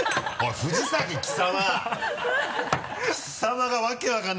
藤崎貴様！